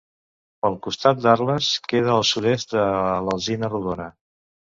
Pel costat d'Arles, queda al sud-est de l'Alzina Rodona.